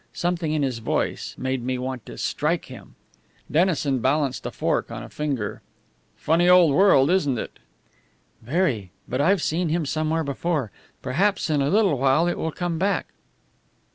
Something in his voice made me want to strike him!" Dennison balanced a fork on a finger. "Funny old world, isn't it?" "Very. But I've seen him somewhere before. Perhaps in a little while it will come back....